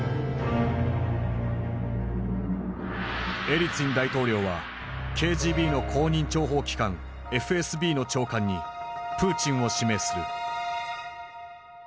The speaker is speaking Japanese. エリツィン大統領はＫＧＢの後任諜報機関ＦＳＢの長官にプーチンを指名する。